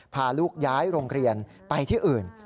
พาลูกย้ายโรงเรียนไปที่อื่น